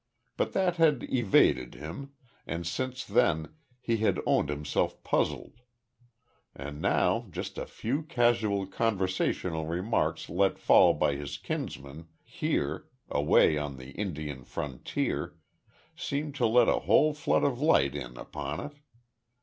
But that had evaded him, and since then he had owned himself puzzled. And now just a few casual conversational remarks let fall by his kinsman, here, away on the Indian frontier, seemed to let a whole flood of light in upon it.